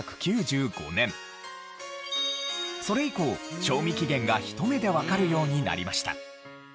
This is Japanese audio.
それ以降賞味期限がひと目でわかるようになりました。